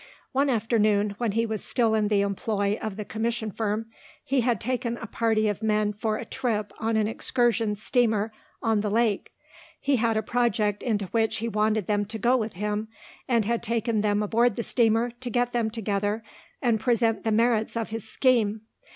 One afternoon, when he was still in the employ of the commission firm, he had taken a party of men for a trip on an excursion steamer on the lake. He had a project into which he wanted them to go with him and had taken them aboard the steamer to get them together and present the merits of his scheme.